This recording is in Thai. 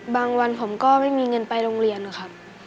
วันผมก็ไม่มีเงินไปโรงเรียนครับ